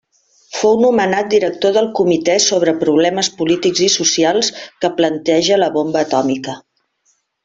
Fou nomenat director del Comitè sobre problemes polítics i socials que planteja la bomba atòmica.